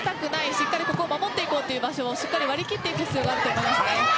しっかりここを守っていこうという場所を割り切っていく必要があると思います。